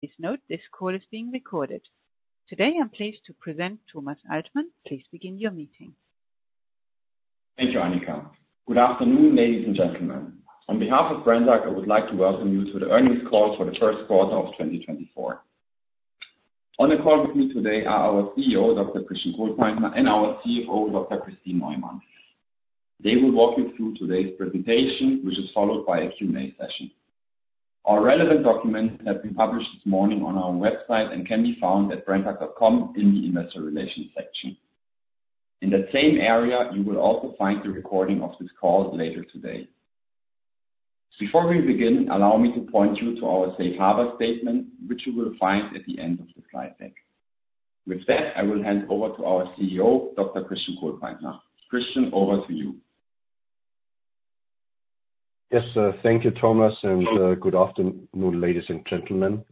Please note this call is being recorded. Today I'm pleased to present Thomas Altmann. Please begin your meeting. Thank you, Anika. Good afternoon, ladies and gentlemen. On behalf of Brenntag, I would like to welcome you to the earnings call for the first quarter of 2024. On the call with me today are our CEO, Dr. Christian Kohlpaintner, and our CFO, Dr. Kristin Neumann. They will walk you through today's presentation, which is followed by a Q&A session. Our relevant documents have been published this morning on our website and can be found at brenntag.com in the investor relations section. In that same area, you will also find the recording of this call later today. Before we begin, allow me to point you to our Safe Harbor Statement, which you will find at the end of the slide deck. With that, I will hand over to our CEO, Dr. Christian Kohlpaintner. Christian, over to you. Yes, thank you, Thomas, and good afternoon, ladies and gentlemen.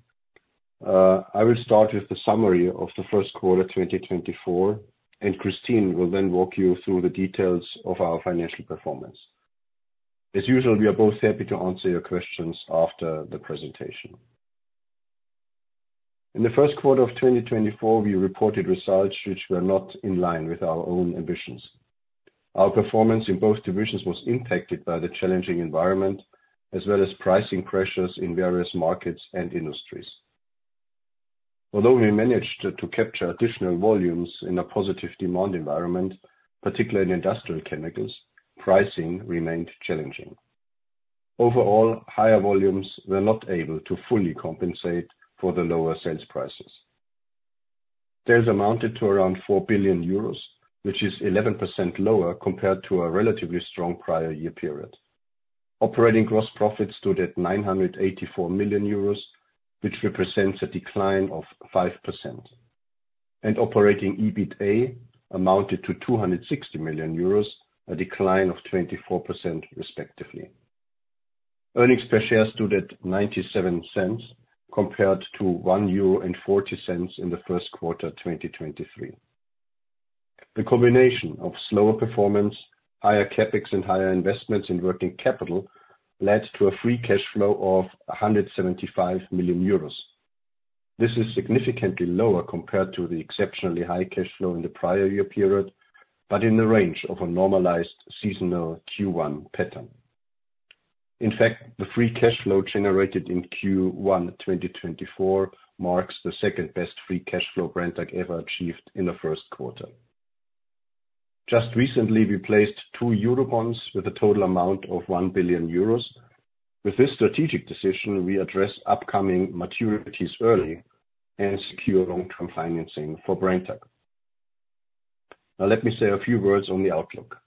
I will start with the summary of the first quarter 2024, and Kristin will then walk you through the details of our financial performance. As usual, we are both happy to answer your questions after the presentation. In the first quarter of 2024, we reported results which were not in line with our own ambitions. Our performance in both divisions was impacted by the challenging environment as well as pricing pressures in various markets and industries. Although we managed to capture additional volumes in a positive demand environment, particularly in Industrial Chemicals, pricing remained challenging. Overall, higher volumes were not able to fully compensate for the lower sales prices. Sales amounted to around 4 billion euros, which is 11% lower compared to a relatively strong prior year period. Operating Gross Profit stood at 984 million euros, which represents a decline of 5%. Operating EBITDA amounted to 260 million euros, a decline of 24% respectively. Earnings per share stood at 0.97 compared to 1.40 euro in the first quarter 2023. The combination of slower performance, higher CapEx, and higher investments in working capital led to a free cash flow of 175 million euros. This is significantly lower compared to the exceptionally high cash flow in the prior year period, but in the range of a normalized seasonal Q1 pattern. In fact, the free cash flow generated in Q1 2024 marks the second best free cash flow Brenntag ever achieved in the first quarter. Just recently, we placed two Eurobonds with a total amount of 1 billion euros. With this strategic decision, we address upcoming maturities early and secure long-term financing for Brenntag. Now, let me say a few words on the outlook.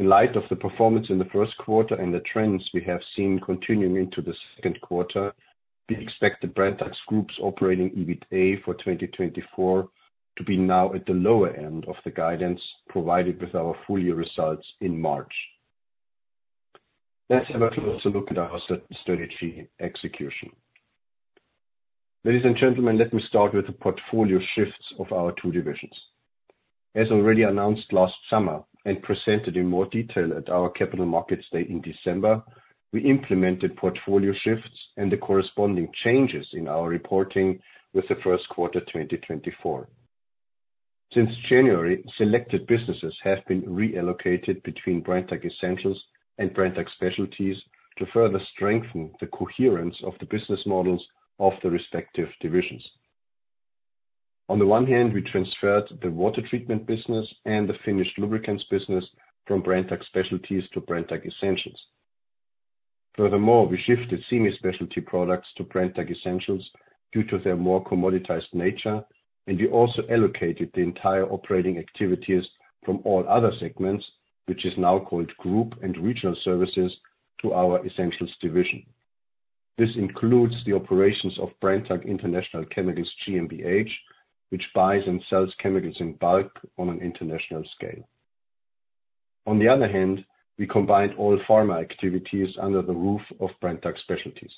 In light of the performance in the first quarter and the trends we have seen continuing into the second quarter, we expect the Brenntag Group's Operating EBITDA for 2024 to be now at the lower end of the guidance provided with our full year results in March. Let's have a closer look at our strategy execution. Ladies and gentlemen, let me start with the portfolio shifts of our two divisions. As already announced last summer and presented in more detail at our Capital Markets Day in December, we implemented portfolio shifts and the corresponding changes in our reporting with the first quarter 2024. Since January, selected businesses have been reallocated between Brenntag Essentials and Brenntag Specialties to further strengthen the coherence of the business models of the respective divisions. On the one hand, we transferred the water treatment business and the finished lubricants business from Brenntag Specialties to Brenntag Essentials. Furthermore, we shifted semi-specialty products to Brenntag Essentials due to their more commoditized nature, and we also allocated the entire operating activities from all other segments, which is now called Group and Regional Services, to our Essentials division. This includes the operations of Brenntag International Chemicals GmbH, which buys and sells chemicals in bulk on an international scale. On the other hand, we combined all pharma activities under the roof of Brenntag Specialties.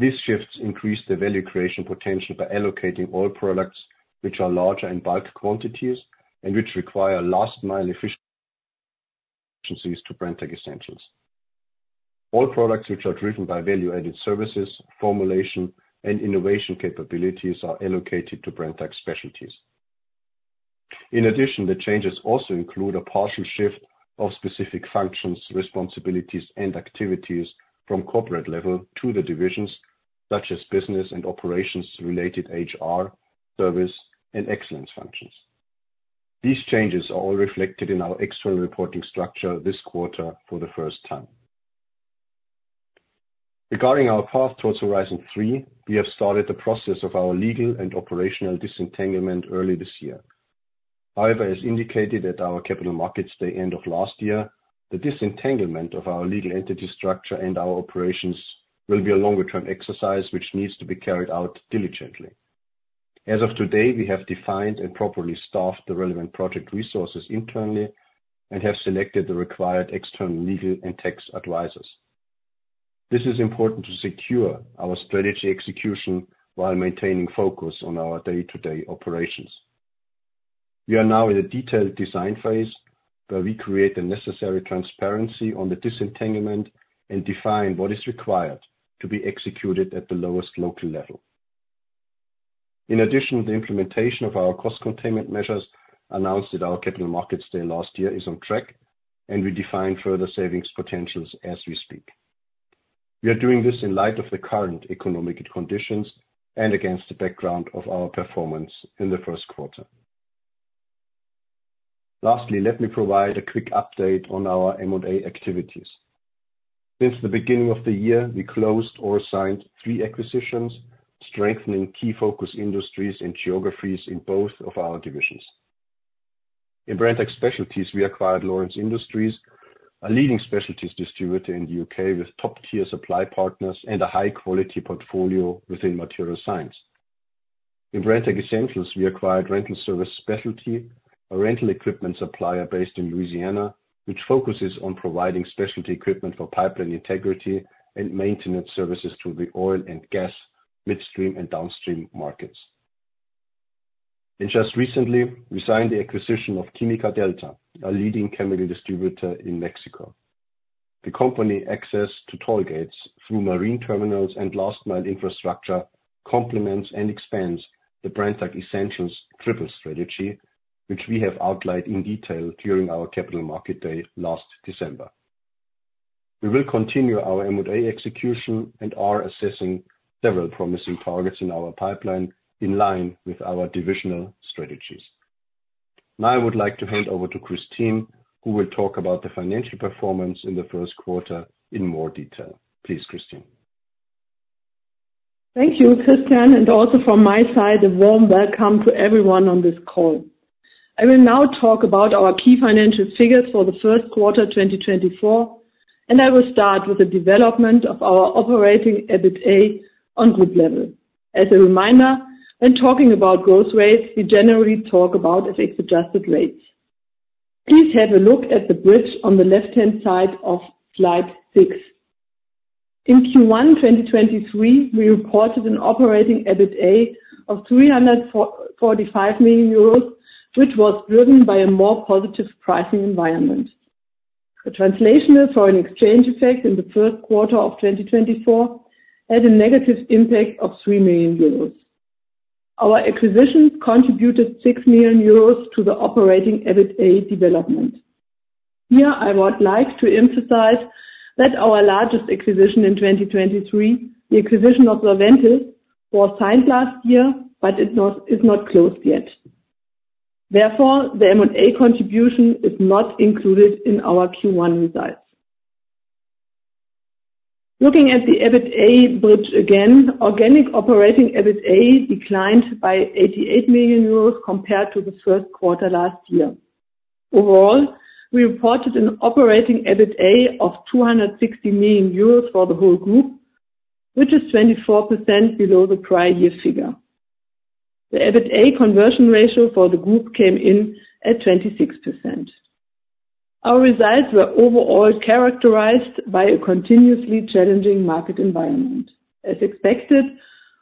These shifts increased the value creation potential by allocating all products which are larger in bulk quantities and which require last-mile efficiencies to Brenntag Essentials. All products which are driven by value-added services, formulation, and innovation capabilities are allocated to Brenntag Specialties. In addition, the changes also include a partial shift of specific functions, responsibilities, and activities from corporate level to the divisions, such as business and operations-related HR, service, and excellence functions. These changes are all reflected in our external reporting structure this quarter for the first time. Regarding our path towards Horizon 3, we have started the process of our legal and operational disentanglement early this year. However, as indicated at our Capital Markets Day end of last year, the disentanglement of our legal entity structure and our operations will be a longer-term exercise which needs to be carried out diligently. As of today, we have defined and properly staffed the relevant project resources internally and have selected the required external legal and tax advisors. This is important to secure our strategy execution while maintaining focus on our day-to-day operations. We are now in a detailed design phase where we create the necessary transparency on the disentanglement and define what is required to be executed at the lowest local level. In addition, the implementation of our cost containment measures announced at our capital markets day last year is on track, and we define further savings potentials as we speak. We are doing this in light of the current economic conditions and against the background of our performance in the first quarter. Lastly, let me provide a quick update on our M&A activities. Since the beginning of the year, we closed or signed three acquisitions, strengthening key focus industries and geographies in both of our divisions. In Brenntag Specialties, we acquired Lawrence Industries, a leading specialties distributor in the U.K. with top-tier supply partners and a high-quality portfolio within materials science. In Brenntag Essentials, we acquired Rental Service Specialty, a rental equipment supplier based in Louisiana, which focuses on providing specialty equipment for pipeline integrity and maintenance services to the oil and gas, midstream, and downstream markets. And just recently, we signed the acquisition of Quimica Delta, a leading chemical distributor in Mexico. The company's access to toll gates through marine terminals and last-mile infrastructure complements and expands the Brenntag Essentials Triple Strategy, which we have outlined in detail during our Capital Markets Day last December. We will continue our M&A execution and are assessing several promising targets in our pipeline in line with our divisional strategies. Now I would like to hand over to Kristin, who will talk about the financial performance in the first quarter in more detail. Please, Kristin. Thank you, Christian. Also from my side, a warm welcome to everyone on this call. I will now talk about our key financial figures for the first quarter 2024, and I will start with the development of our operating EBITDA on group level. As a reminder, when talking about growth rates, we generally talk about FX-adjusted rates. Please have a look at the bridge on the left-hand side of slide 6. In Q1 2023, we reported an operating EBITDA of 345 million euros, which was driven by a more positive pricing environment. The translational foreign exchange effect in the first quarter of 2024 had a negative impact of 3 million euros. Our acquisitions contributed 6 million euros to the operating EBITDA development. Here, I would like to emphasize that our largest acquisition in 2023, the acquisition of Sorventis, was signed last year, but it is not closed yet. Therefore, the M&A contribution is not included in our Q1 results. Looking at the EBITDA bridge again, organic operating EBITDA declined by 88 million euros compared to the first quarter last year. Overall, we reported an operating EBITDA of 260 million euros for the whole group, which is 24% below the prior year figure. The EBITDA conversion ratio for the group came in at 26%. Our results were overall characterized by a continuously challenging market environment. As expected,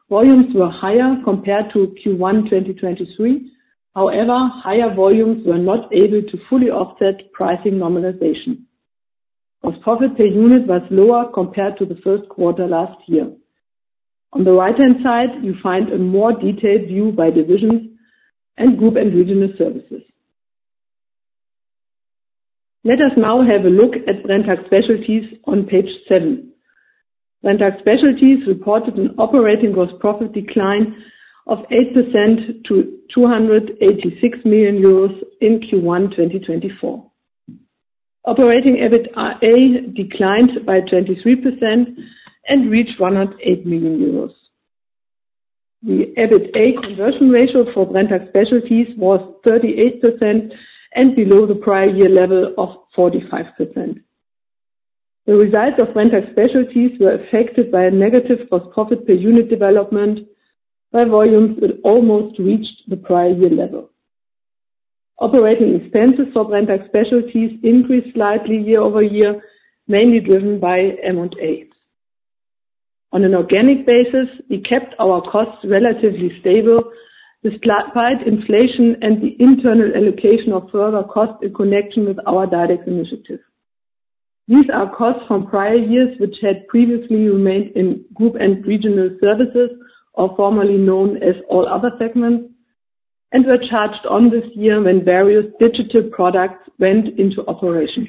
volumes were higher compared to Q1 2023. However, higher volumes were not able to fully offset pricing normalization. Gross profit per unit was lower compared to the first quarter last year. On the right-hand side, you find a more detailed view by divisions and group and regional services. Let us now have a look at Brenntag Specialties on page 7. Brenntag Specialties reported an operating gross profit decline of 8% to 286 million euros in Q1 2024. Operating EBITDA declined by 23% and reached 108 million euros. The EBITDA conversion ratio for Brenntag Specialties was 38% and below the prior year level of 45%. The results of Brenntag Specialties were affected by a negative gross profit per unit development, where volumes almost reached the prior year level. Operating expenses for Brenntag Specialties increased slightly year-over-year, mainly driven by M&A. On an organic basis, we kept our costs relatively stable despite inflation and the internal allocation of further costs in connection with our Direct Initiative. These are costs from prior years which had previously remained in Group and Regional Services, or formerly known as All Other Segments, and were charged on this year when various digital products went into operation.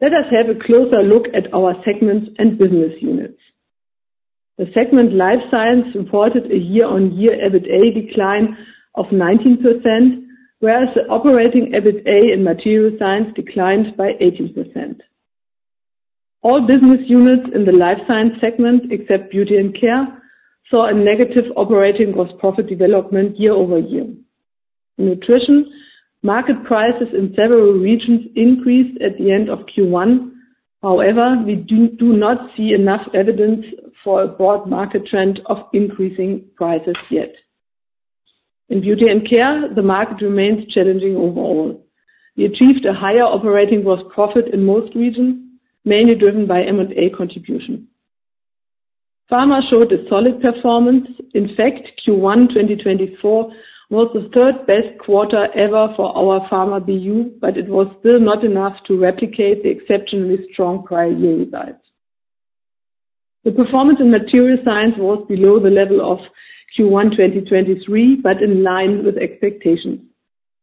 Let us have a closer look at our segments and business units. The segment Life Science reported a year-over-year EBITDA decline of 19%, whereas the operating EBITDA in Material Science declined by 18%. All business units in the Life Science segment, except Beauty and Care, saw a negative operating gross profit development year-over-year. In Nutrition, market prices in several regions increased at the end of Q1. However, we do not see enough evidence for a broad market trend of increasing prices yet. In Beauty and Care, the market remains challenging overall. We achieved a higher operating gross profit in most regions, mainly driven by M&A contribution. Pharma showed a solid performance. In fact, Q1 2024 was the third best quarter ever for our Pharma BU, but it was still not enough to replicate the exceptionally strong prior year results. The performance in Material Science was below the level of Q1 2023, but in line with expectations.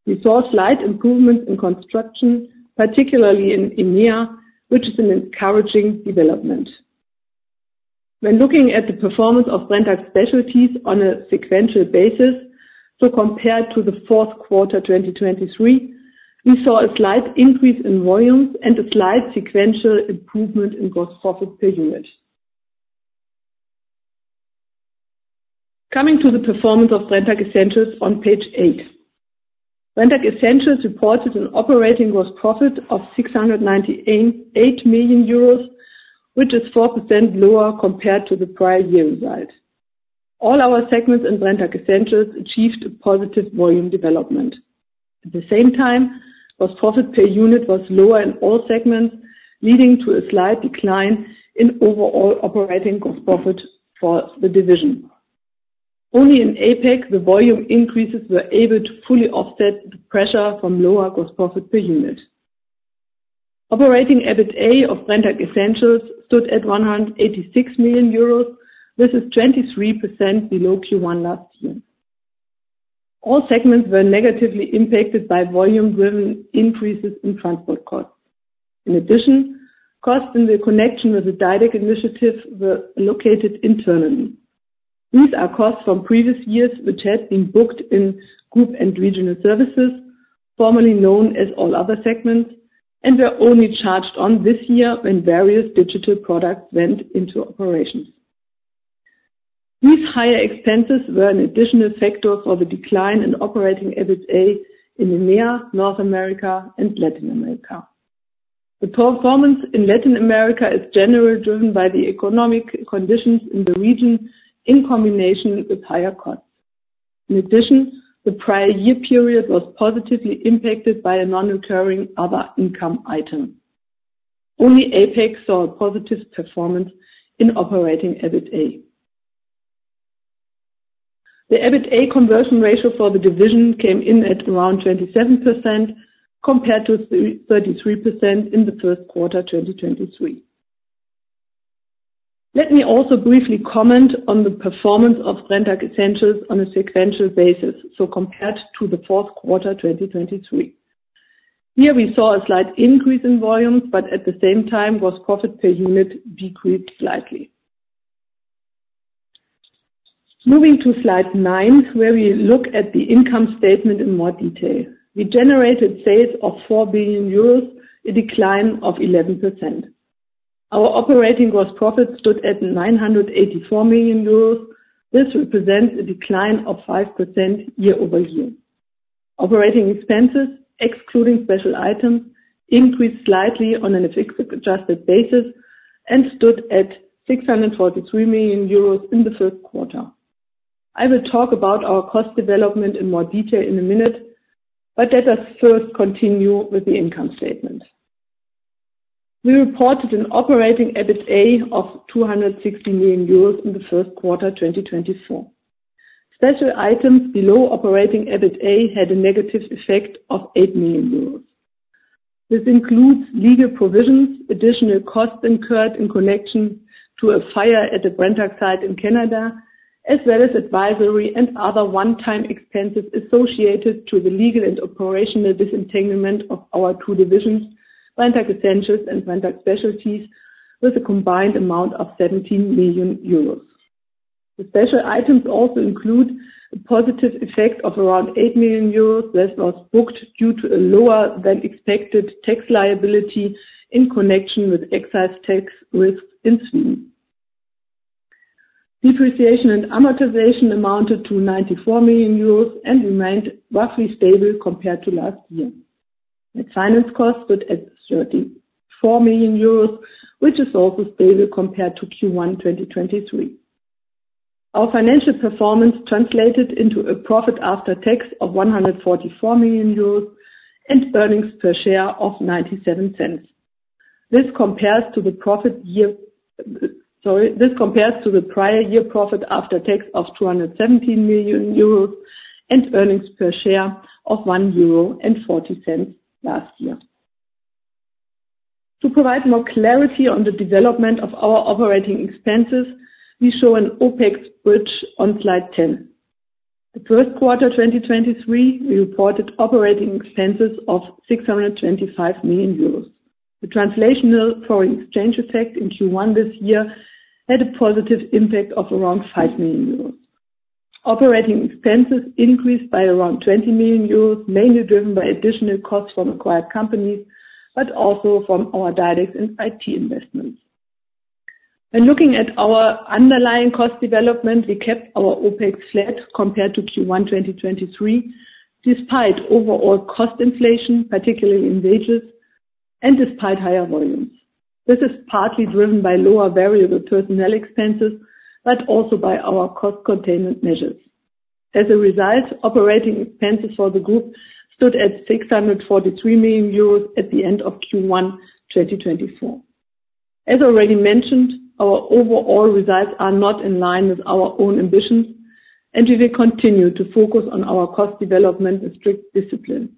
We saw slight improvements in construction, particularly in EMEA, which is an encouraging development. When looking at the performance of Brenntag Specialties on a sequential basis, so compared to the fourth quarter 2023, we saw a slight increase in volumes and a slight sequential improvement in gross profit per unit. Coming to the performance of Brenntag Essentials on page 8, Brenntag Essentials reported an operating gross profit of 698 million euros, which is 4% lower compared to the prior year result. All our segments in Brenntag Essentials achieved a positive volume development. At the same time, gross profit per unit was lower in all segments, leading to a slight decline in overall operating gross profit for the division. Only in APEC, the volume increases were able to fully offset the pressure from lower gross profit per unit. Operating EBITDA of Brenntag Essentials stood at 186 million euros. This is 23% below Q1 last year. All segments were negatively impacted by volume-driven increases in transport costs. In addition, costs in connection with the Direct Initiative were allocated internally. These are costs from previous years which had been booked in Group and Regional Services, formerly known as All Other Segments, and were only charged in this year when various digital products went into operations. These higher expenses were an additional factor for the decline in operating EBITDA in EMEA, North America, and Latin America. The performance in Latin America is generally driven by the economic conditions in the region in combination with higher costs. In addition, the prior year period was positively impacted by a non-recurring other income item. Only APEC saw a positive performance in Operating EBITDA. The EBITDA conversion ratio for the division came in at around 27% compared to 33% in the first quarter 2023. Let me also briefly comment on the performance of Brenntag Essentials on a sequential basis, so compared to the fourth quarter 2023. Here, we saw a slight increase in volumes, but at the same time, gross profit per unit decreased slightly. Moving to slide 9, where we look at the income statement in more detail, we generated sales of 4 billion euros, a decline of 11%. Our operating gross profit stood at 984 million euros. This represents a decline of 5% year-over-year. Operating expenses, excluding special items, increased slightly on an FX-adjusted basis and stood at 643 million euros in the first quarter. I will talk about our cost development in more detail in a minute, but let us first continue with the income statement. We reported an Operating EBITDA of 260 million euros in the first quarter 2024. Special Items below Operating EBITDA had a negative effect of 8 million euros. This includes legal provisions, additional costs incurred in connection to a fire at the Brenntag site in Canada, as well as advisory and other one-time expenses associated with the legal and operational disentanglement of our two divisions, Brenntag Essentials and Brenntag Specialties, with a combined amount of 17 million euros. The Special Items also include a positive effect of around 8 million euros that was booked due to a lower-than-expected tax liability in connection with excise tax risks in Sweden. Depreciation and amortization amounted to 94 million euros and remained roughly stable compared to last year. The finance cost stood at 34 million euros, which is also stable compared to Q1 2023. Our financial performance translated into a profit after tax of 144 million euros and earnings per share of 0.97. This compares to the prior year profit after tax of 217 million euros and earnings per share of 1.40 euro last year. To provide more clarity on the development of our operating expenses, we show an OPEX bridge on slide 10. The first quarter 2023, we reported operating expenses of 625 million euros. The translational foreign exchange effect in Q1 this year had a positive impact of around 5 million euros. Operating expenses increased by around 20 million euros, mainly driven by additional costs from acquired companies, but also from our Directs and IT investments. When looking at our underlying cost development, we kept our OPEX flat compared to Q1 2023 despite overall cost inflation, particularly in wages, and despite higher volumes. This is partly driven by lower variable personnel expenses, but also by our cost-containment measures. As a result, operating expenses for the group stood at 643 million euros at the end of Q1 2024. As already mentioned, our overall results are not in line with our own ambitions, and we will continue to focus on our cost development and strict discipline.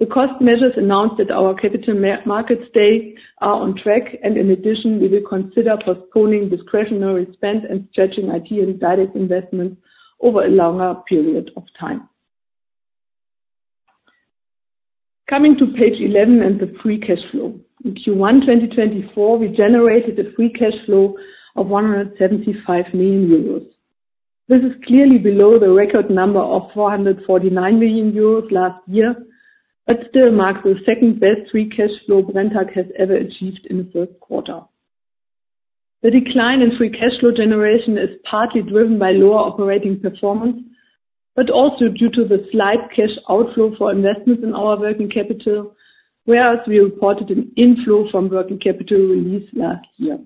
The cost measures announced at our Capital Markets Day are on track. In addition, we will consider postponing discretionary spend and stretching IT and Direct Investments over a longer period of time. Coming to page 11 and the free cash flow, in Q1 2024, we generated a free cash flow of 175 million euros. This is clearly below the record number of 449 million euros last year, but still marks the second-best free cash flow Brenntag has ever achieved in the first quarter. The decline in free cash flow generation is partly driven by lower operating performance, but also due to the slight cash outflow for investments in our working capital, whereas we reported an inflow from working capital release last year.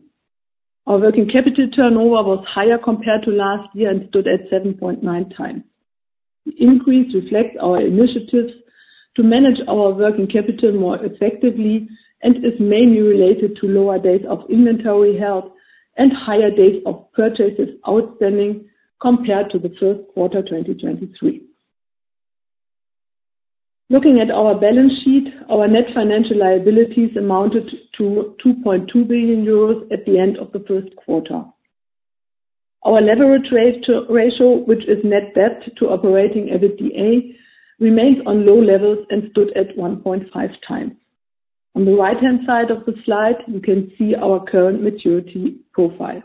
Our working capital turnover was higher compared to last year and stood at 7.9 times. The increase reflects our initiatives to manage our working capital more effectively and is mainly related to lower days of inventory held and higher days of purchases outstanding compared to the first quarter 2023. Looking at our balance sheet, our net financial liabilities amounted to 2.2 billion euros at the end of the first quarter. Our leverage ratio, which is net debt to Operating EBITDA, remains on low levels and stood at 1.5 times. On the right-hand side of the slide, you can see our current maturity profile.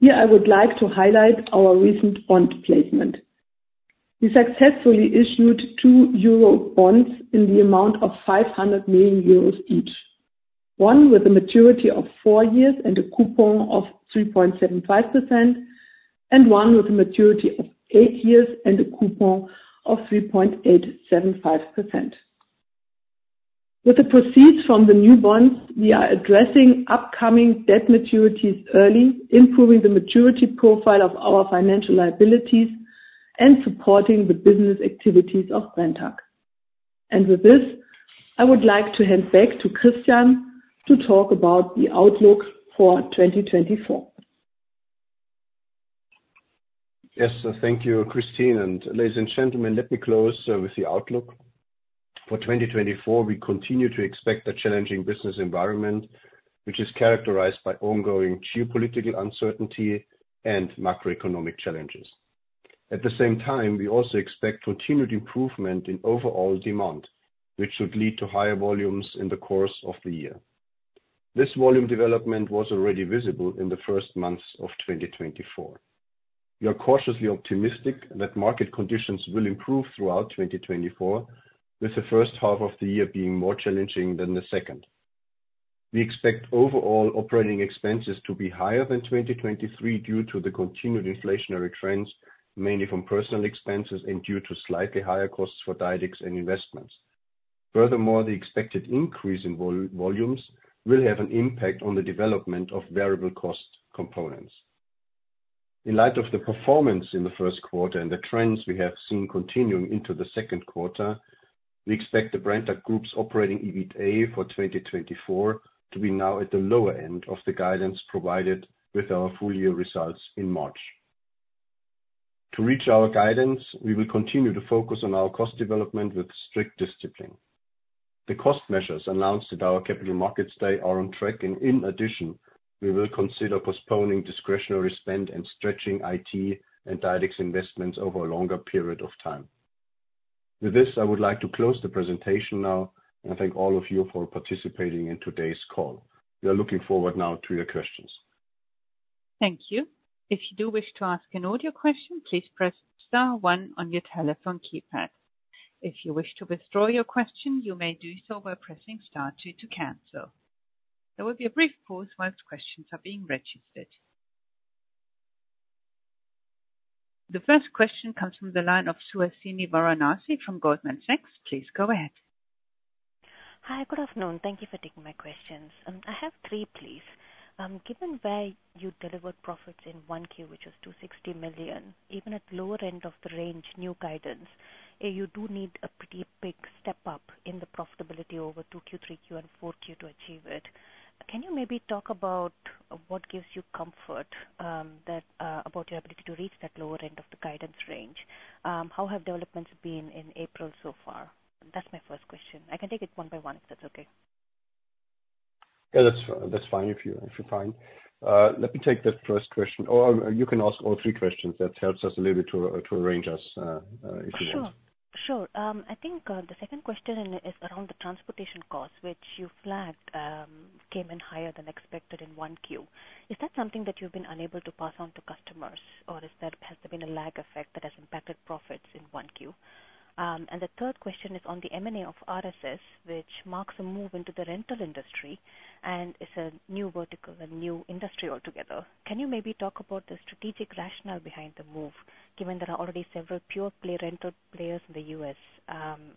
Here, I would like to highlight our recent bond placement. We successfully issued 2 Eurobonds in the amount of 500 million euros each, one with a maturity of 4 years and a coupon of 3.75%, and one with a maturity of 8 years and a coupon of 3.875%. With the proceeds from the new bonds, we are addressing upcoming debt maturities early, improving the maturity profile of our financial liabilities, and supporting the business activities of Brenntag. With this, I would like to hand back to Christian to talk about the outlook for 2024. Yes. Thank you, Kristin. And ladies and gentlemen, let me close with the outlook. For 2024, we continue to expect a challenging business environment, which is characterized by ongoing geopolitical uncertainty and macroeconomic challenges. At the same time, we also expect continued improvement in overall demand, which should lead to higher volumes in the course of the year. This volume development was already visible in the first months of 2024. We are cautiously optimistic that market conditions will improve throughout 2024, with the first half of the year being more challenging than the second. We expect overall operating expenses to be higher than 2023 due to the continued inflationary trends, mainly from personnel expenses and due to slightly higher costs for Directs and investments. Furthermore, the expected increase in volumes will have an impact on the development of variable cost components. In light of the performance in the first quarter and the trends we have seen continuing into the second quarter, we expect the Brenntag Group's operating EBITDA for 2024 to be now at the lower end of the guidance provided with our full year results in March. To reach our guidance, we will continue to focus on our cost development with strict discipline. The cost measures announced at our Capital Markets Day are on track. And in addition, we will consider postponing discretionary spend and stretching IT and Directs investments over a longer period of time. With this, I would like to close the presentation now and thank all of you for participating in today's call. We are looking forward now to your questions. Thank you. If you do wish to ask an audio question, please press star one on your telephone keypad. If you wish to withdraw your question, you may do so by pressing star two to cancel. There will be a brief pause while questions are being registered. The first question comes from the line of Suhasini Varanasi from Goldman Sachs. Please go ahead. Hi. Good afternoon. Thank you for taking my questions. I have three, please. Given where you delivered profits in Q1, which was 260 million, even at lower end of the range, new guidance, you do need a pretty big step up in the profitability over Q2, Q3, and Q4 to achieve it. Can you maybe talk about what gives you comfort about your ability to reach that lower end of the guidance range? How have developments been in April so far? That's my first question. I can take it one by one if that's okay. Yeah. That's fine if you're fine. Let me take that first question. Or you can ask all three questions. That helps us a little bit to arrange us if you want. Sure. Sure. I think the second question is around the transportation cost, which you flagged came in higher than expected in one Q. Is that something that you've been unable to pass on to customers, or has there been a lag effect that has impacted profits in one Q? And the third question is on the M&A of RSS, which marks a move into the rental industry, and it's a new vertical, a new industry altogether. Can you maybe talk about the strategic rationale behind the move, given there are already several pure rental players in the U.S.?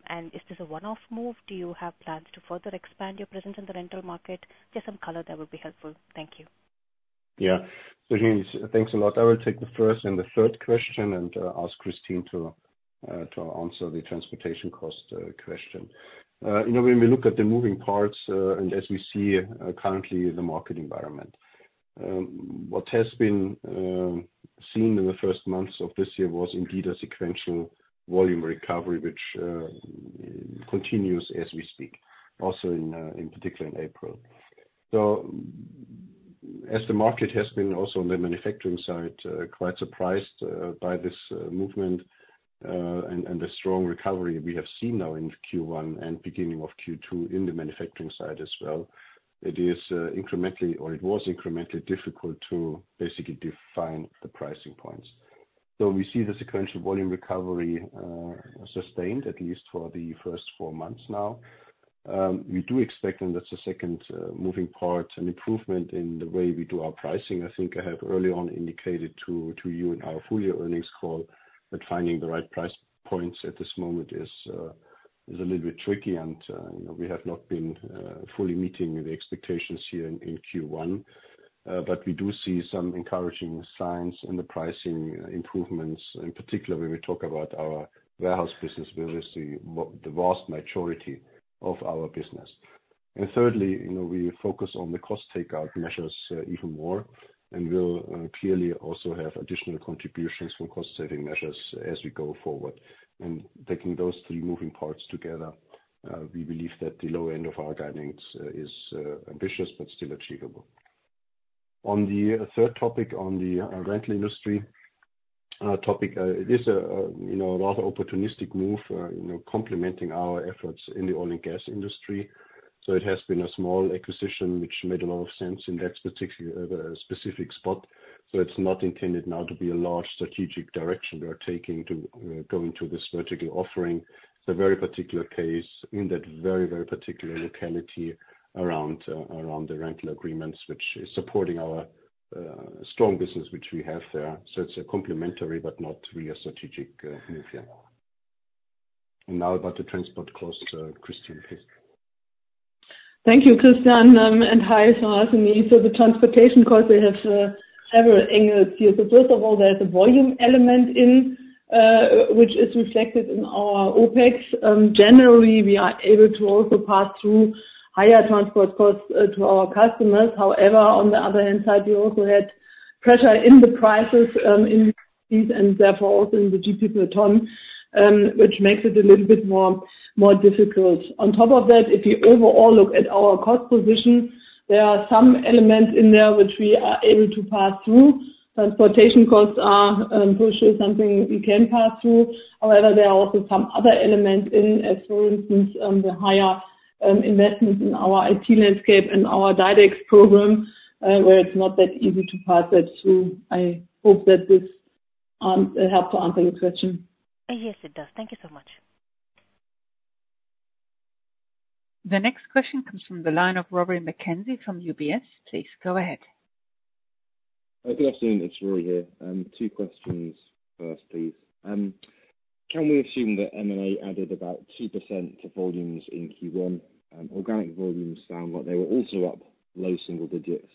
And is this a one-off move? Do you have plans to further expand your presence in the rental market? Just some color that would be helpful. Thank you. Yeah. Thanks a lot. I will take the first and the third question and ask Kristin to answer the transportation cost question. When we look at the moving parts and as we see currently in the market environment, what has been seen in the first months of this year was indeed a sequential volume recovery, which continues as we speak, also in particular in April. So as the market has been also on the manufacturing side quite surprised by this movement and the strong recovery we have seen now in Q1 and beginning of Q2 in the manufacturing side as well, it is incrementally or it was incrementally difficult to basically define the pricing points. So we see the sequential volume recovery sustained, at least for the first four months now. We do expect, and that's the second moving part, an improvement in the way we do our pricing. I think I have early on indicated to you in our full-year earnings call that finding the right price points at this moment is a little bit tricky, and we have not been fully meeting the expectations here in Q1. But we do see some encouraging signs in the pricing improvements. In particular, when we talk about our warehouse business, we obviously see the vast majority of our business. And thirdly, we focus on the cost takeout measures even more and will clearly also have additional contributions from cost-saving measures as we go forward. And taking those three moving parts together, we believe that the lower end of our guidance is ambitious but still achievable. On the third topic, on the rental industry topic, it is a rather opportunistic move complementing our efforts in the oil and gas industry. It has been a small acquisition, which made a lot of sense in that specific spot. It's not intended now to be a large strategic direction we are taking to go into this vertical offering. It's a very particular case in that very, very particular locality around the rental agreements, which is supporting our strong business, which we have there. It's a complementary but not really a strategic move here. Now about the transport cost, Kristin, please. Thank you, Christian, and hi for Suhasini. So the transportation cost, we have several angles here. So first of all, there's a volume element in which is reflected in our OPEX. Generally, we are able to also pass through higher transport costs to our customers. However, on the other hand side, we also had pressure in the prices in these and therefore also in the GP per ton, which makes it a little bit more difficult. On top of that, if we overall look at our cost position, there are some elements in there which we are able to pass through. Transportation costs are for sure something we can pass through. However, there are also some other elements in, as for instance, the higher investments in our IT landscape and our Directs program, where it's not that easy to pass that through. I hope that this helped to answer your question. Yes, it does. Thank you so much. The next question comes from the line of Rory McKenzie from UBS. Please go ahead. Good afternoon. It's Rory here. Two questions first, please. Can we assume that M&A added about 2% to volumes in Q1? Organic volumes sound like they were also up low single digits.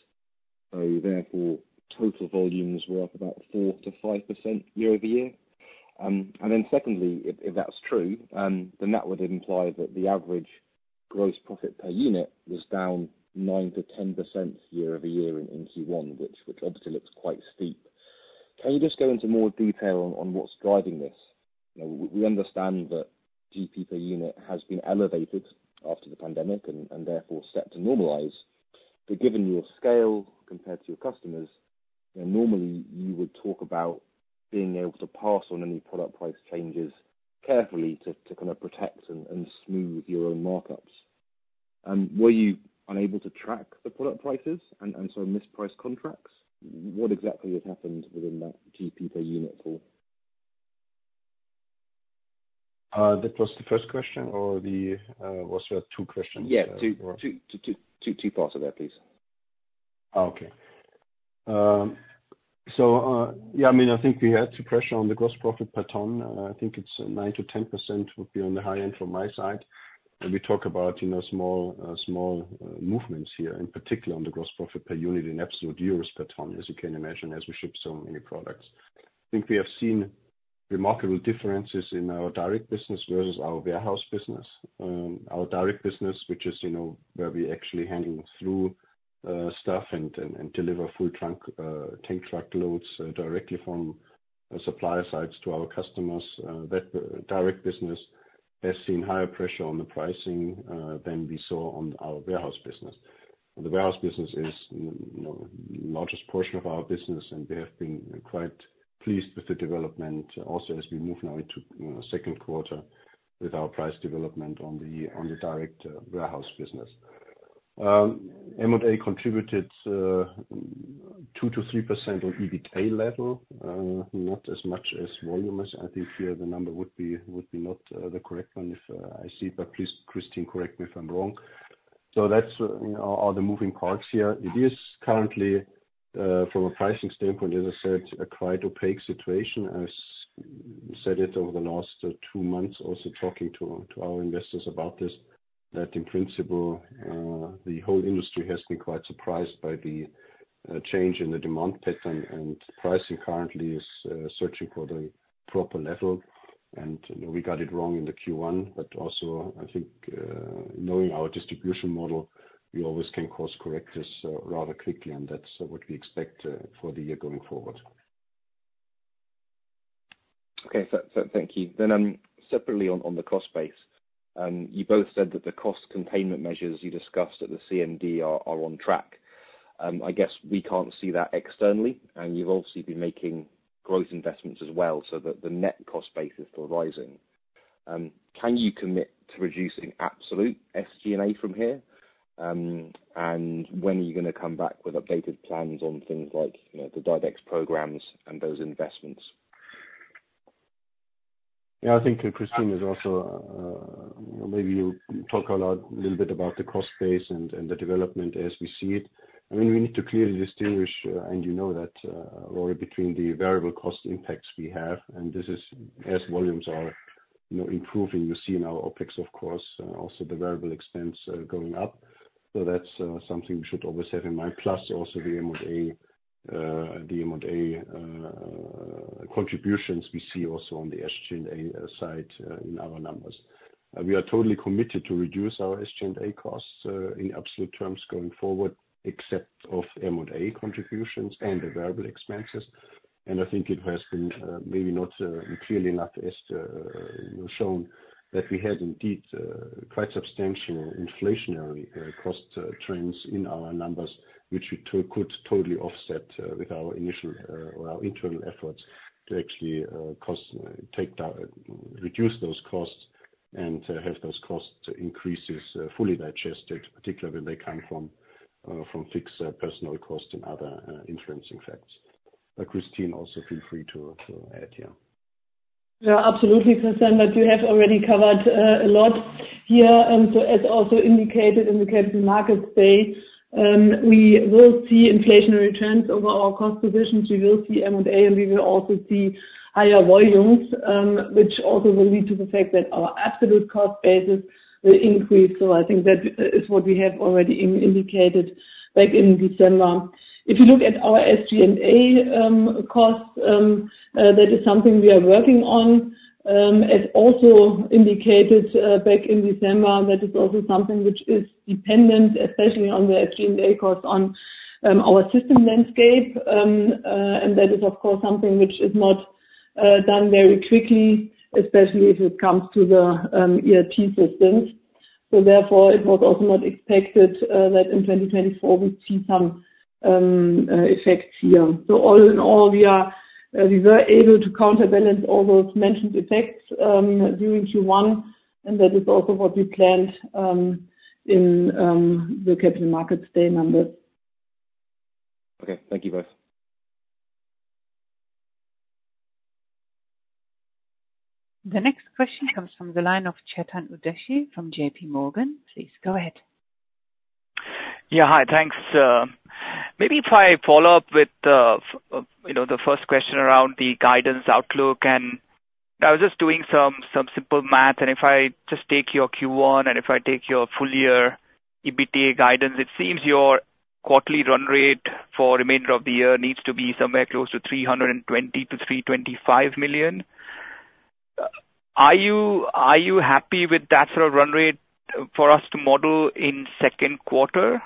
So therefore, total volumes were up about 4%-5% year-over-year. And then secondly, if that's true, then that would imply that the average gross profit per unit was down 9%-10% year-over-year in Q1, which obviously looks quite steep. Can you just go into more detail on what's driving this? We understand that GP per unit has been elevated after the pandemic and therefore set to normalize. But given your scale compared to your customers, normally, you would talk about being able to pass on any product price changes carefully to kind of protect and smooth your own markups. Were you unable to track the product prices and so misprice contracts? What exactly had happened within that GP per unit for? That was the first question, or was there two questions? Yeah. Two parts of that, please. Okay. So yeah, I mean, I think we had some pressure on the gross profit per ton. I think it's 9%-10% would be on the high end from my side. And we talk about small movements here, in particular on the gross profit per unit in absolute EUR per ton, as you can imagine, as we ship so many products. I think we have seen remarkable differences in our direct business versus our warehouse business. Our direct business, which is where we actually handle through stuff and deliver full tank truck loads directly from supplier sites to our customers, that direct business has seen higher pressure on the pricing than we saw on our warehouse business. The warehouse business is the largest portion of our business, and we have been quite pleased with the development also as we move now into second quarter with our price development on the direct warehouse business. M&A contributed 2%-3% on EBITDA level, not as much as volumes. I think here the number would be not the correct one if I see it, but please, Kristin, correct me if I'm wrong. So that's all the moving parts here. It is currently, from a pricing standpoint, as I said, a quite opaque situation. I said it over the last two months, also talking to our investors about this, that in principle, the whole industry has been quite surprised by the change in the demand pattern, and pricing currently is searching for the proper level. We got it wrong in the Q1, but also I think knowing our distribution model, we always can course correct this rather quickly, and that's what we expect for the year going forward. Okay. Thank you. Separately on the cost base, you both said that the cost containment measures you discussed at the CMD are on track. I guess we can't see that externally, and you've obviously been making growth investments as well, so that the net cost base is still rising. Can you commit to reducing absolute SG&A from here? And when are you going to come back with updated plans on things like the Directs programs and those investments? Yeah. I think Kristin has also maybe you'll talk a little bit about the cost base and the development as we see it. I mean, we need to clearly distinguish, and you know that, Rory, between the variable cost impacts we have. And this is as volumes are improving. You see in our OpEx, of course, also the variable expense going up. So that's something we should always have in mind. Plus also the M&A contributions we see also on the SG&A side in our numbers. We are totally committed to reduce our SG&A costs in absolute terms going forward, except of M&A contributions and the variable expenses. I think it has been maybe not clearly enough as shown that we had indeed quite substantial inflationary cost trends in our numbers, which could totally offset with our initial or our internal efforts to actually reduce those costs and have those cost increases fully digested, particularly when they come from fixed personnel costs and other influencing factors. But, Kristin, also feel free to add here. Yeah. Absolutely, Christian, but you have already covered a lot here. So as also indicated in the Capital Markets Day, we will see inflationary trends over our cost positions. We will see M&A, and we will also see higher volumes, which also will lead to the fact that our absolute cost bases will increase. So I think that is what we have already indicated back in December. If you look at our SG&A costs, that is something we are working on. As also indicated back in December, that is also something which is dependent, especially on the SG&A costs, on our system landscape. And that is, of course, something which is not done very quickly, especially if it comes to the ERP systems. So therefore, it was also not expected that in 2024, we'd see some effects here. All in all, we were able to counterbalance all those mentioned effects during Q1, and that is also what we planned in the Capital Markets Day numbers. Okay. Thank you both. The next question comes from the line of Chetan Udeshi from J.P. Morgan. Please go ahead. Yeah. Hi. Thanks. Maybe if I follow up with the first question around the guidance outlook, and I was just doing some simple math. And if I just take your Q1 and if I take your full year EBITDA guidance, it seems your quarterly run rate for the remainder of the year needs to be somewhere close to 320 million-325 million. Are you happy with that sort of run rate for us to model in second quarter,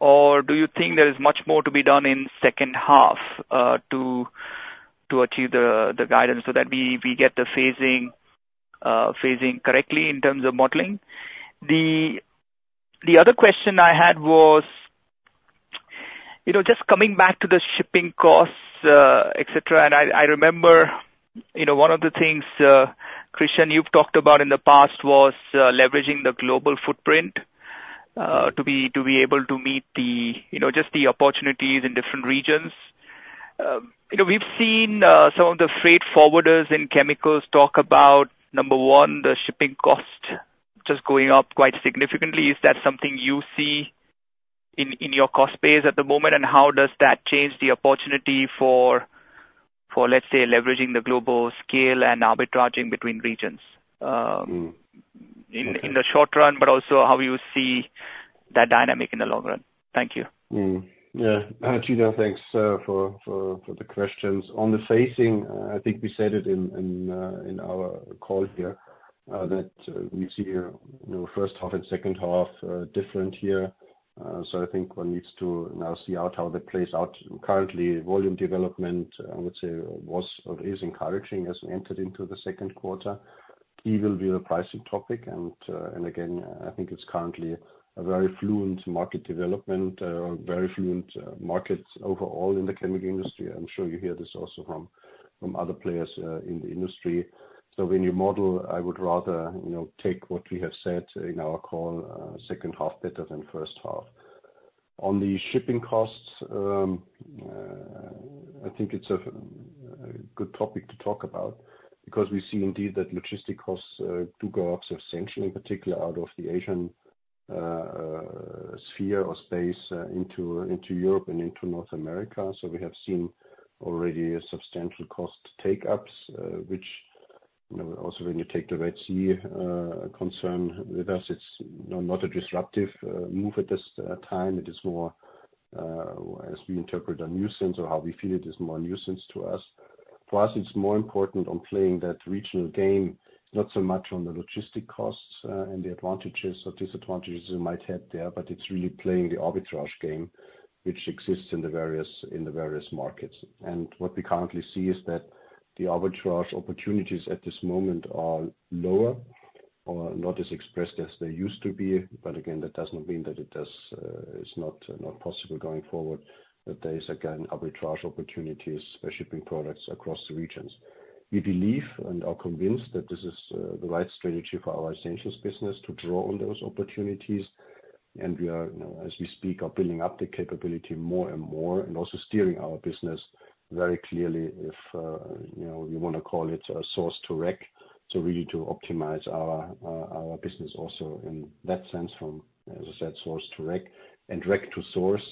or do you think there is much more to be done in second half to achieve the guidance so that we get the phasing correctly in terms of modeling? The other question I had was just coming back to the shipping costs, etc. I remember one of the things, Christian, you've talked about in the past was leveraging the global footprint to be able to meet just the opportunities in different regions. We've seen some of the freight forwarders in chemicals talk about, number one, the shipping cost just going up quite significantly. Is that something you see in your cost base at the moment? And how does that change the opportunity for, let's say, leveraging the global scale and arbitraging between regions in the short run, but also how you see that dynamic in the long run? Thank you. Yeah. Chetan, thanks for the questions. On the phasing, I think we said it in our call here that we see first half and second half different here. So I think one needs to now see how that plays out. Currently, volume development, I would say, was or is encouraging as we entered into the second quarter. EV will be a pricing topic. And again, I think it's currently a very fluid market development, very fluid markets overall in the chemical industry. I'm sure you hear this also from other players in the industry. So when you model, I would rather take what we have said in our call, second half better than first half. On the shipping costs, I think it's a good topic to talk about because we see indeed that logistic costs do go up substantially, in particular out of the Asian sphere or space into Europe and into North America. So we have seen already substantial cost takeups, which also, when you take the Red Sea concern with us, it's not a disruptive move at this time. It is more, as we interpret our nuisance or how we feel it, is more nuisance to us. For us, it's more important on playing that regional game, not so much on the logistic costs and the advantages or disadvantages you might have there, but it's really playing the arbitrage game, which exists in the various markets. And what we currently see is that the arbitrage opportunities at this moment are lower or not as expressed as they used to be. But again, that does not mean that it is not possible going forward that there is, again, arbitrage opportunities for shipping products across the regions. We believe and are convinced that this is the right strategy for our essentials business to draw on those opportunities. And as we speak, are building up the capability more and more and also steering our business very clearly if we want to call it a source-to-rack, so really to optimize our business also in that sense from, as I said, source-to-rack and rack-to-source.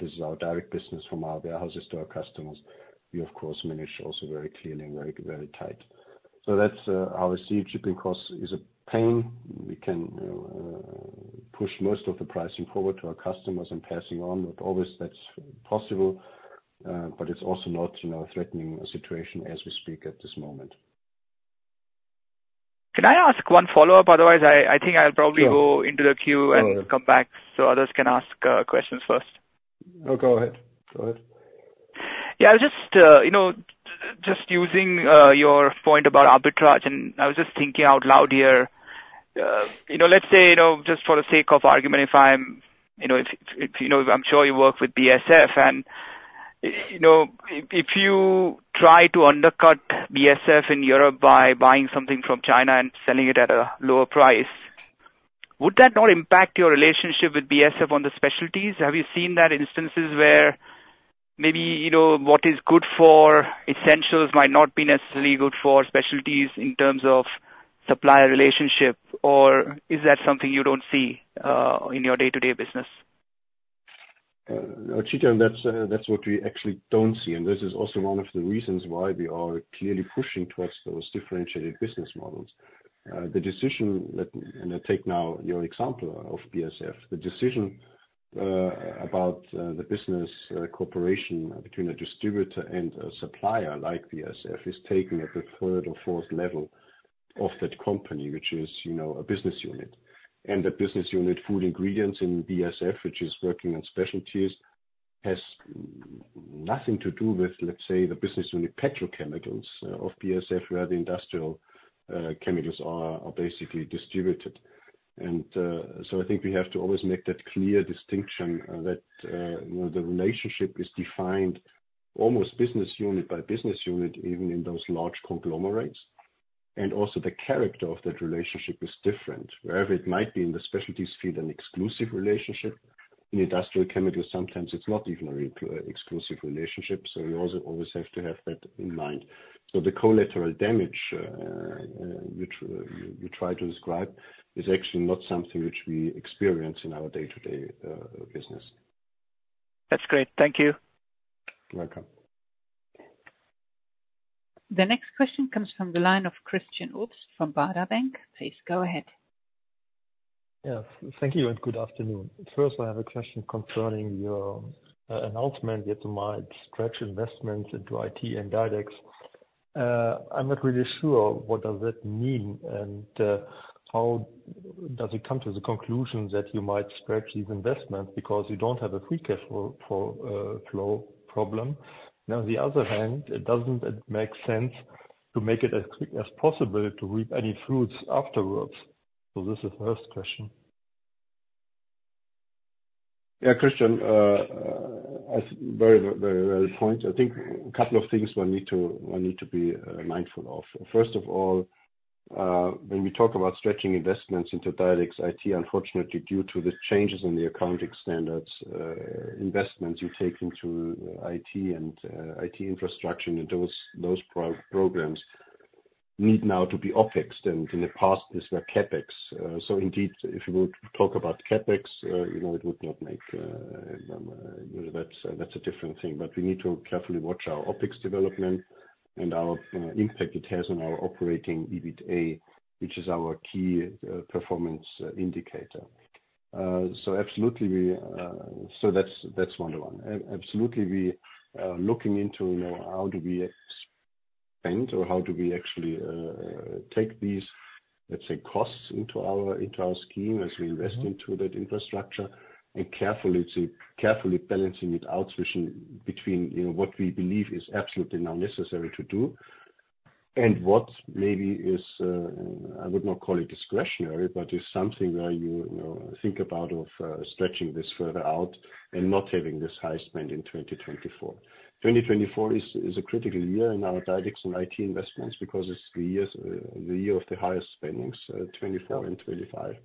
This is our direct business from our warehouses to our customers. We, of course, manage also very clearly and very tight. So that's how I see it. Shipping costs is a pain. We can push most of the pricing forward to our customers and passing on. Not always that's possible, but it's also not threatening a situation as we speak at this moment. Can I ask one follow-up? Otherwise, I think I'll probably go into the queue and come back so others can ask questions first. Oh, go ahead. Go ahead. Yeah. I was just using your point about arbitrage, and I was just thinking out loud here. Let's say, just for the sake of argument, if I'm sure you work with BASF, and if you try to undercut BASF in Europe by buying something from China and selling it at a lower price, would that not impact your relationship with BASF on the specialties? Have you seen that instances where maybe what is good for essentials might not be necessarily good for specialties in terms of supplier relationship, or is that something you don't see in your day-to-day business? Chetan, that's what we actually don't see. And this is also one of the reasons why we are clearly pushing towards those differentiated business models. And I take now your example of BASF. The decision about the business cooperation between a distributor and a supplier like BASF is taken at the third or fourth level of that company, which is a business unit. And the business unit food ingredients in BASF, which is working on specialties, has nothing to do with, let's say, the business unit petrochemicals of BASF, where the industrial chemicals are basically distributed. And so I think we have to always make that clear distinction that the relationship is defined almost business unit by business unit, even in those large conglomerates. And also the character of that relationship is different. Wherever it might be in the specialties field, an exclusive relationship. In industrial chemicals, sometimes it's not even an exclusive relationship. So we also always have to have that in mind. So the collateral damage you try to describe is actually not something which we experience in our day-to-day business. That's great. Thank you. You're welcome. The next question comes from the line of Christian Obst from Baader Bank. Please go ahead. Yeah. Thank you and good afternoon. First, I have a question concerning your announcement that you might stretch investments into IT and Directs. I'm not really sure what that means, and how does it come to the conclusion that you might stretch these investments because you don't have a free cash flow problem? Now, on the other hand, doesn't it make sense to make it as quick as possible to reap any fruits afterwards? So this is the first question. Yeah. Christian, very, very valid point. I think a couple of things one needs to be mindful of. First of all, when we talk about stretching investments into Directs IT, unfortunately, due to the changes in the accounting standards, investments you take into IT and IT infrastructure and those programs need now to be OPEX. And in the past, these were CAPEX. So indeed, if you would talk about CapEx, it would not make. That's a different thing. But we need to carefully watch our OpEx development and our impact it has on our Operating EBITDA, which is our key performance indicator. So absolutely, that's number one. Absolutely, we are looking into how do we spend or how do we actually take these, let's say, costs into our scheme as we invest into that infrastructure and carefully balancing it out between what we believe is absolutely now necessary to do and what maybe is I would not call it discretionary, but is something where you think about stretching this further out and not having this high spend in 2024. 2024 is a critical year in our Directs and IT investments because it's the year of the highest spendings, 2024 and 2025.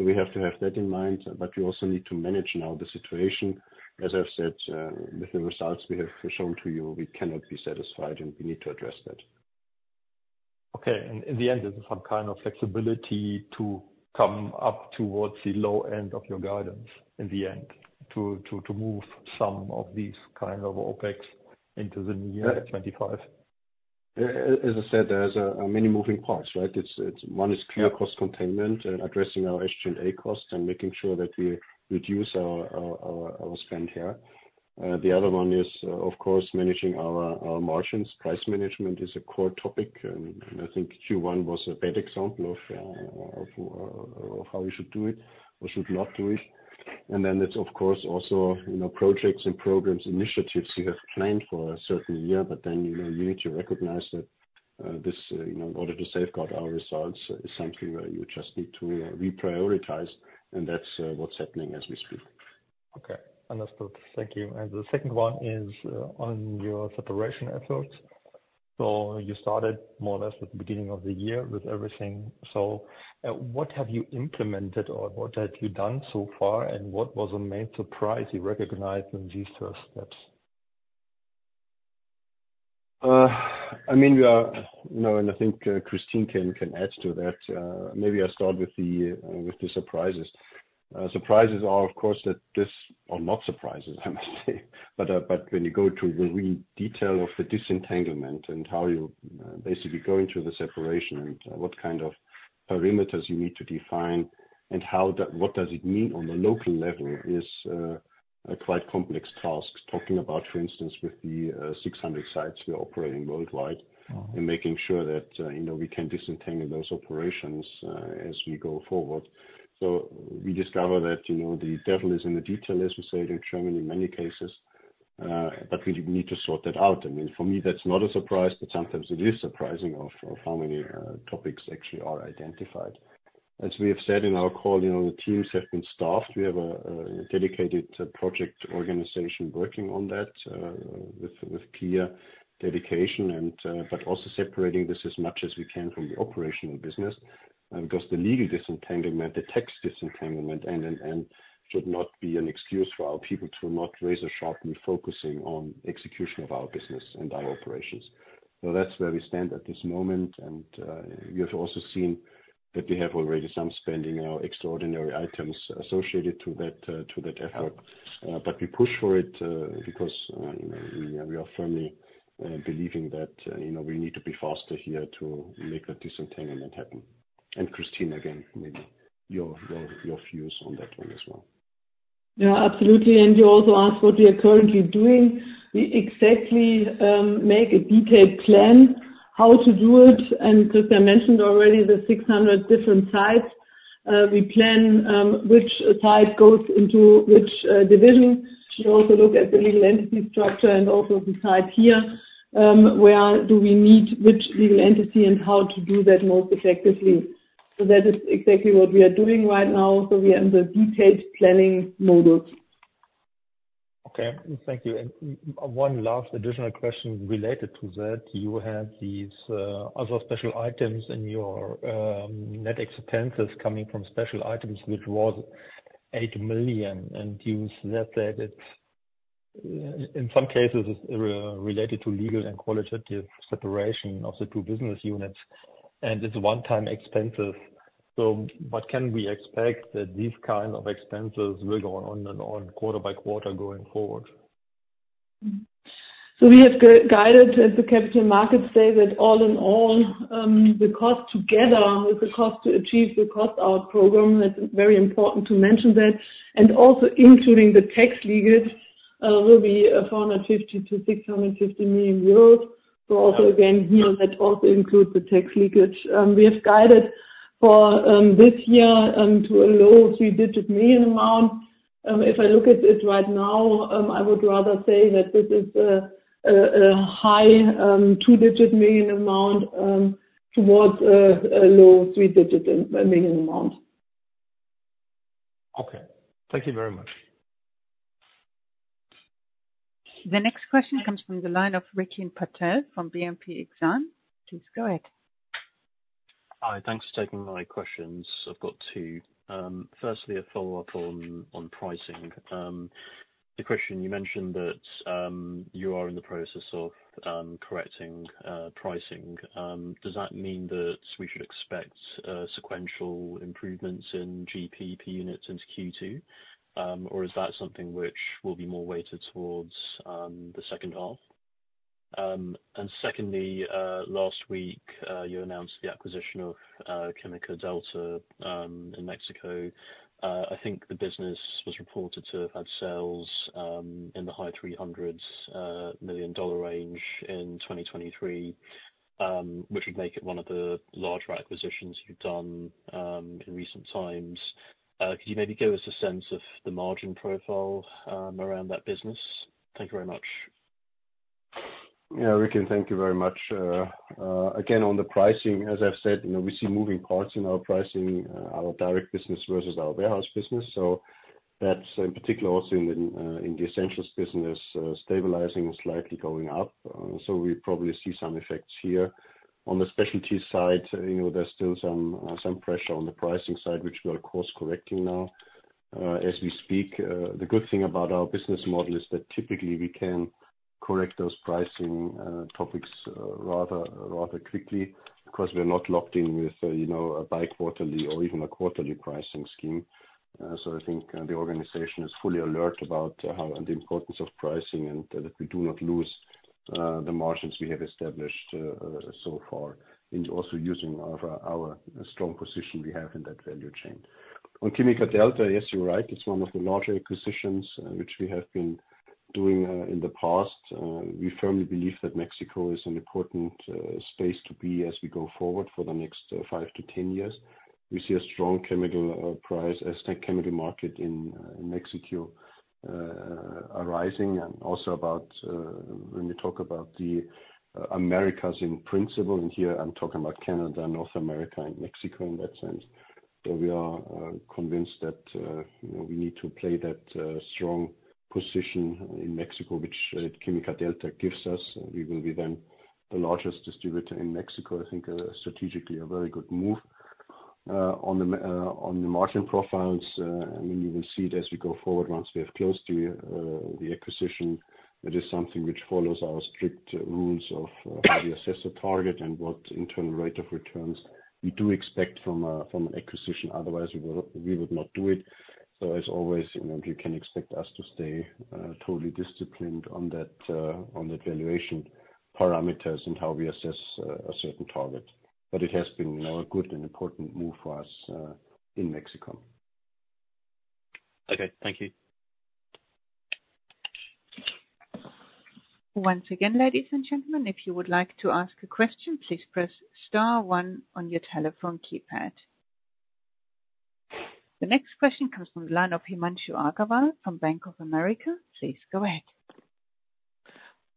So we have to have that in mind. But we also need to manage now the situation. As I've said, with the results we have shown to you, we cannot be satisfied, and we need to address that. Okay. In the end, is this some kind of flexibility to come up towards the low end of your guidance in the end, to move some of these kind of OpEx into the new year 2025? As I said, there are many moving parts, right? One is clear cost containment and addressing our SG&A costs and making sure that we reduce our spend here. The other one is, of course, managing our margins. Price management is a core topic. And I think Q1 was a bad example of how you should do it or should not do it. And then it's, of course, also projects and programs, initiatives you have planned for a certain year, but then you need to recognize that this, in order to safeguard our results, is something where you just need to reprioritize. And that's what's happening as we speak. Okay. Understood. Thank you. And the second one is on your separation efforts. So you started more or less at the beginning of the year with everything. So what have you implemented or what have you done so far, and what was a main surprise you recognized in these first steps? I mean, we are and I think Kristin can add to that. Maybe I start with the surprises. Surprises are, of course, that this or not surprises, I must say. But when you go to the real detail of the disentanglement and how you basically go into the separation and what kind of parameters you need to define and what does it mean on the local level is quite complex tasks, talking about, for instance, with the 600 sites we're operating worldwide and making sure that we can disentangle those operations as we go forward. So we discover that the devil is in the detail, as we say it in Germany, in many cases. But we need to sort that out. I mean, for me, that's not a surprise, but sometimes it is surprising of how many topics actually are identified. As we have said in our call, the teams have been staffed. We have a dedicated project organization working on that with clear dedication, but also separating this as much as we can from the operational business because the legal disentanglement, the tax disentanglement, should not be an excuse for our people to not raise a sharp refocusing on execution of our business and our operations. So that's where we stand at this moment. And we have also seen that we have already some spending in our extraordinary items associated to that effort. But we push for it because we are firmly believing that we need to be faster here to make that disentanglement happen. And Kristin, again, maybe your views on that one as well. Yeah. Absolutely. And you also asked what we are currently doing. We exactly make a detailed plan how to do it. And Christian mentioned already the 600 different sites. We plan which site goes into which division. We also look at the legal entity structure and also decide here, where do we need which legal entity and how to do that most effectively. So that is exactly what we are doing right now. So we are in the detailed planning modules. Okay. Thank you. And one last additional question related to that. You have these other Special Items in your net expenses coming from Special Items, which was 8 million. And you said that it's, in some cases, related to legal and operational separation of the two business units. And it's one-time expenses. So what can we expect that these kinds of expenses will go on and on quarter by quarter going forward? So we have guided the capital markets that all in all, the cost together with the cost to achieve the cost out program, it's very important to mention that. And also including the tax leakage will be 450 million-650 million euros. So also, again, here, that also includes the tax leakage. We have guided for this year to a low three-digit million amount. If I look at it right now, I would rather say that this is a high two-digit million amount towards a low three-digit million amount. Okay. Thank you very much. The next question comes from the line of Rikin Patel from BNP Paribas Exane. Please go ahead. Hi. Thanks for taking my questions. I've got two. Firstly, a follow-up on pricing. Christian, you mentioned that you are in the process of correcting pricing. Does that mean that we should expect sequential improvements in GPP units into Q2, or is that something which will be more weighted towards the second half? And secondly, last week, you announced the acquisition of Química Delta in Mexico. I think the business was reported to have had sales in the high $300 million range in 2023, which would make it one of the larger acquisitions you've done in recent times. Could you maybe give us a sense of the margin profile around that business? Thank you very much. Yeah. Rikin, thank you very much. Again, on the pricing, as I've said, we see moving parts in our pricing, our direct business versus our warehouse business. So that's, in particular, also in the essentials business, stabilizing and slightly going up. So we probably see some effects here. On the specialties side, there's still some pressure on the pricing side, which we are, of course, correcting now as we speak. The good thing about our business model is that typically, we can correct those pricing topics rather quickly because we're not locked in with a bi-quarterly or even a quarterly pricing scheme. So I think the organization is fully alert about the importance of pricing and that we do not lose the margins we have established so far and also using our strong position we have in that value chain. On Quimica Delta, yes, you're right. It's one of the larger acquisitions which we have been doing in the past. We firmly believe that Mexico is an important space to be as we go forward for the next 5-10 years. We see a strong chemical price, a strong chemical market in Mexico arising. And also when we talk about the Americas in principle, and here, I'm talking about Canada, North America, and Mexico in that sense. So we are convinced that we need to play that strong position in Mexico, which Química Delta gives us. We will be then the largest distributor in Mexico, I think, strategically, a very good move. On the margin profiles, I mean, you will see it as we go forward. Once we have closed the acquisition, it is something which follows our strict rules of how we assess a target and what internal rate of returns we do expect from an acquisition. Otherwise, we would not do it. So as always, you can expect us to stay totally disciplined on that valuation parameters and how we assess a certain target. But it has been a good and important move for us in Mexico. Okay. Thank you. Once again, ladies and gentlemen, if you would like to ask a question, please press star one on your telephone keypad. The next question comes from the line of Himanshu Agarwal from Bank of America. Please go ahead.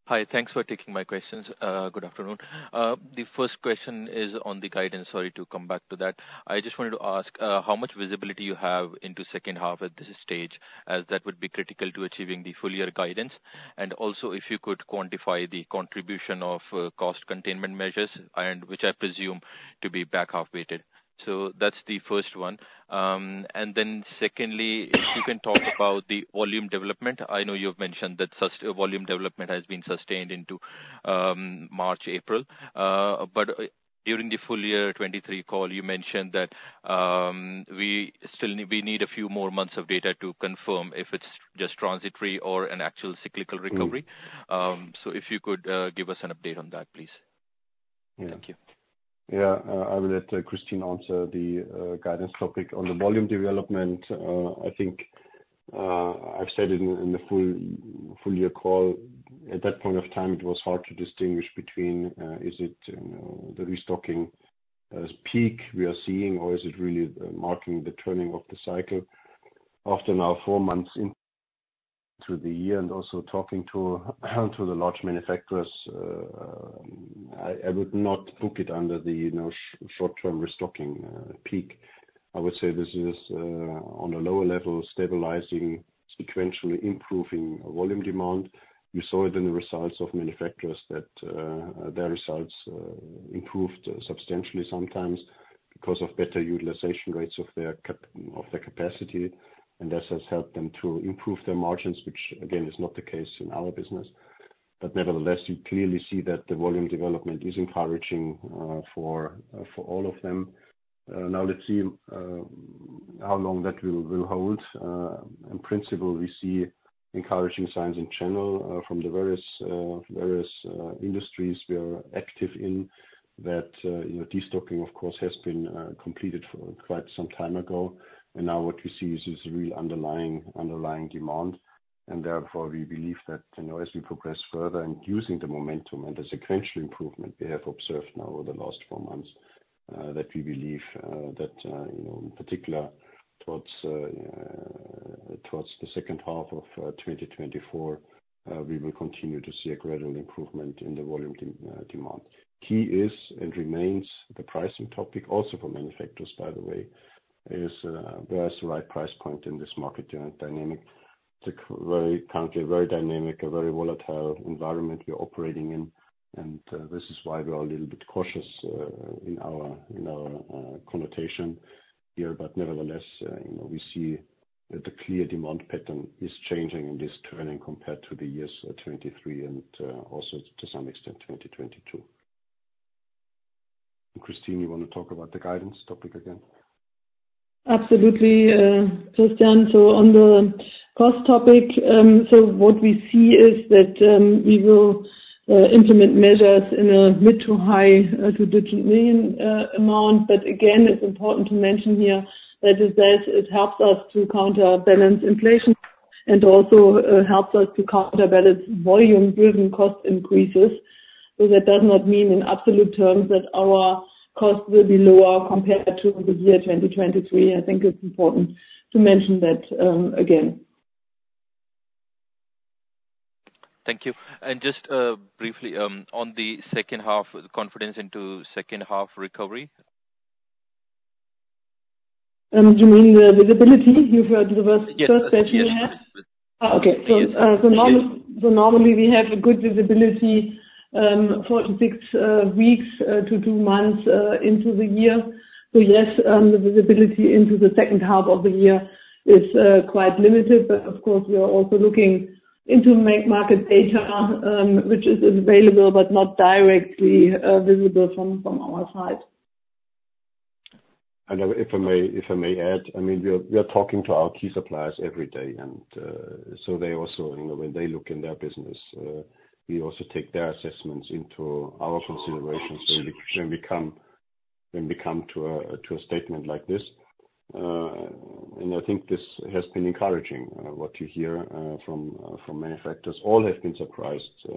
Hi. Thanks for taking my questions. Good afternoon. The first question is on the guidance. Sorry to come back to that. I just wanted to ask how much visibility you have into second half at this stage, as that would be critical to achieving the full-year guidance. And also, if you could quantify the contribution of cost containment measures, which I presume to be back half-weighted. So that's the first one. And then secondly, if you can talk about the volume development. I know you have mentioned that volume development has been sustained into March, April. But during the full-year 2023 call, you mentioned that we need a few more months of data to confirm if it's just transitory or an actual cyclical recovery. So if you could give us an update on that, please. Thank you. Yeah. I will let Kristin answer the guidance topic. On the volume development, I think I've said it in the full-year call. At that point of time, it was hard to distinguish between is it the restocking peak we are seeing, or is it really marking the turning of the cycle? After now four months into the year and also talking to the large manufacturers, I would not book it under the short-term restocking peak. I would say this is on a lower level, stabilizing, sequentially improving volume demand. You saw it in the results of manufacturers that their results improved substantially sometimes because of better utilization rates of their capacity. And this has helped them to improve their margins, which, again, is not the case in our business. But nevertheless, you clearly see that the volume development is encouraging for all of them. Now, let's see how long that will hold. In principle, we see encouraging signs in general from the various industries we are active in that destocking, of course, has been completed quite some time ago. And now what we see is real underlying demand. And therefore, we believe that as we progress further and using the momentum and the sequential improvement we have observed now over the last four months, that we believe that, in particular, towards the second half of 2024, we will continue to see a gradual improvement in the volume demand. Key is and remains the pricing topic, also for manufacturers, by the way, is where is the right price point in this market dynamic? It's currently a very dynamic, a very volatile environment we're operating in. And this is why we are a little bit cautious in our connotation here. But nevertheless, we see that the clear demand pattern is changing in this turning compared to the years 2023 and also, to some extent, 2022. Kristin, you want to talk about the guidance topic again? Absolutely, Christian. So on the cost topic, so what we see is that we will implement measures in a mid- to high two-digit million EUR amount. But again, it's important to mention here that it helps us to counterbalance inflation and also helps us to counterbalance volume-driven cost increases. So that does not mean, in absolute terms, that our costs will be lower compared to the year 2023. I think it's important to mention that again. Thank you. And just briefly, on the second half, the confidence into second-half recovery? You mean the visibility? You heard the first question we had? Yes. Yes. Yes. Yes. Okay. So normally, we have a good visibility 4-6 weeks to 2 months into the year. So yes, the visibility into the second half of the year is quite limited. But of course, we are also looking into market data, which is available but not directly visible from our side. And if I may add, I mean, we are talking to our key suppliers every day. And so when they look in their business, we also take their assessments into our considerations when we come to a statement like this. I think this has been encouraging, what you hear from manufacturers. All have been surprised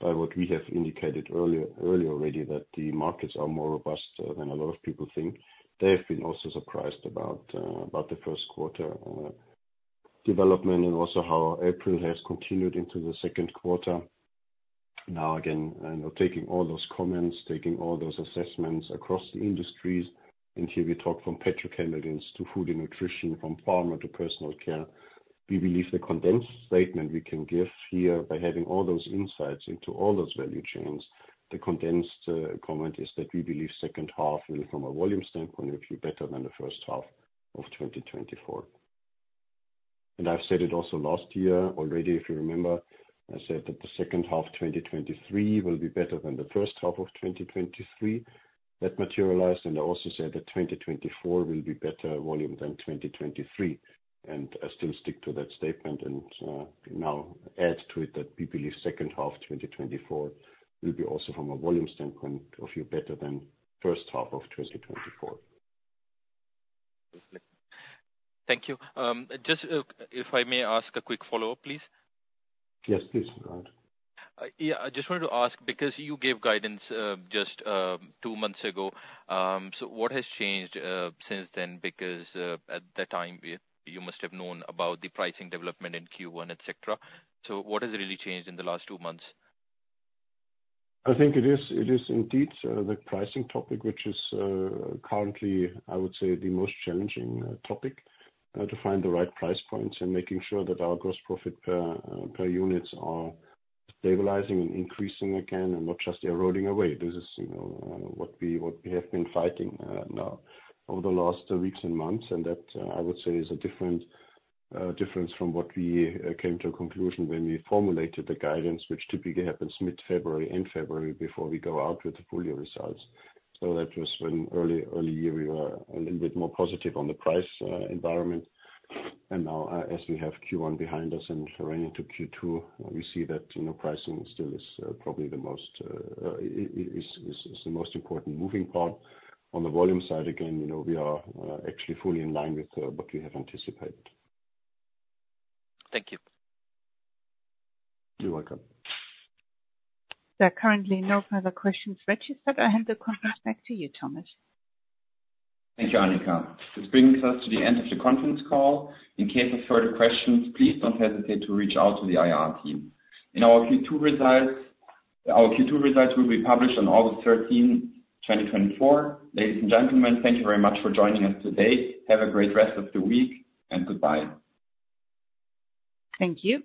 by what we have indicated earlier already, that the markets are more robust than a lot of people think. They have been also surprised about the first quarter development and also how April has continued into the second quarter. Now again, taking all those comments, taking all those assessments across the industries - and here we talk from petrochemicals to food and nutrition, from pharma to personal care - we believe the condensed statement we can give here by having all those insights into all those value chains, the condensed comment is that we believe second half will, from a volume standpoint, be better than the first half of 2024. I've said it also last year already, if you remember. I said that the second half of 2023 will be better than the first half of 2023. That materialized. I also said that 2024 will be better volume than 2023. I still stick to that statement and now add to it that we believe second half of 2024 will be also, from a volume standpoint of view, better than first half of 2024. Thank you. Just if I may ask a quick follow-up, please. Yes, please. Go ahead. Yeah. I just wanted to ask because you gave guidance just two months ago. So what has changed since then? Because at that time, you must have known about the pricing development in Q1, etc. So what has really changed in the last two months? I think it is indeed the pricing topic, which is currently, I would say, the most challenging topic, to find the right price points and making sure that our gross profit per unit are stabilizing and increasing again and not just eroding away. This is what we have been fighting now over the last weeks and months. And that, I would say, is a difference from what we came to a conclusion when we formulated the guidance, which typically happens mid-February and February before we go out with the full-year results. So that was when, early year, we were a little bit more positive on the price environment. And now, as we have Q1 behind us and running into Q2, we see that pricing still is probably the most it is the most important moving part. On the volume side, again, we are actually fully in line with what we have anticipated. Thank you. You're welcome. There are currently no further questions. With that said I hand the conference back to you, Thomas. Thank you, Anika. This brings us to the end of the conference call. In case of further questions, please don't hesitate to reach out to the IR team. Our Q2 results will be published on August 13, 2024. Ladies and gentlemen, thank you very much for joining us today. Have a great rest of the week, and goodbye. Thank you.